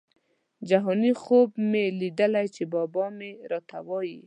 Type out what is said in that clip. جهاني خوب مي لیدلی چي بابا مي راته وايی